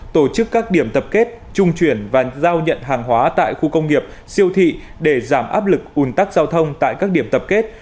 tổ chức các điểm tập kết trung chuyển và giao nhận hàng hóa tại khu công nghiệp siêu thị để giảm áp lực ủn tắc giao thông tại các điểm tập kết